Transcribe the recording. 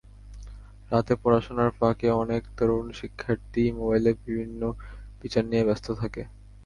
রাতে পড়াশোনার ফাঁকে অনেক তরুণ শিক্ষার্থীই মোবাইলে বিভিন্ন ফিচার নিয়ে ব্যস্ত থাকে।